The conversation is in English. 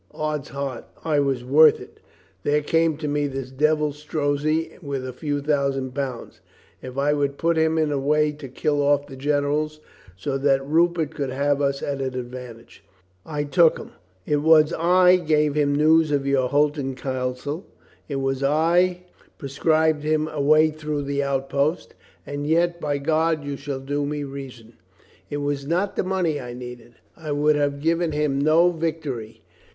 Ods heart, I was worth it. There came to me this devil Strozzi with a few thousand pounds if I would put him in the way to kill off the generals so that Ru pert could have us at advantage. I took him. It was I gave him news of your Holton council. It was I 432 COLONEL GREATHEART prescribed him a way through the outposts. And yet, by God, you shall do me reason ! It was not the money I needed. I would have given him no vic tory.